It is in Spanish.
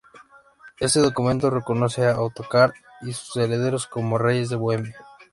Este documento reconoce a Otakar y sus herederos como reyes de Bohemia.